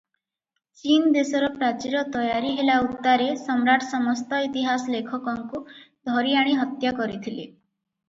ଚୀନ୍ ଦେଶର ପ୍ରାଚୀର ତୟାରୀ ହେଲା ଉତ୍ତାରେ ସମ୍ରାଟ ସମସ୍ତ ଇତିହାସ ଲେଖକଙ୍କୁ ଧରିଆଣି ହତ୍ୟା କରିଥିଲେ